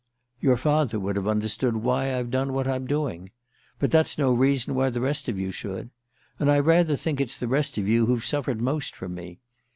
"Your father would have understood why I've done, what I'm doing; but that's no reason why the rest of you should. And I rather think it's the rest of you who've suffered most from me.